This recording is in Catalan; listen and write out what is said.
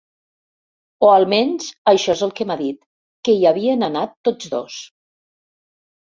O almenys això és el que m'ha dit, que hi havien anat tots dos.